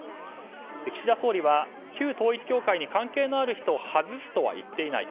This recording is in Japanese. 岸田総理は旧統一教会に関係のある人を外すとは言っていない。